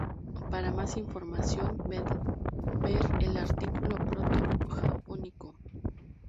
Para más información ver el artículo Proto-japónico.